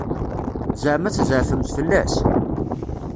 Ẓeɛma tzeɛfemt fell-as?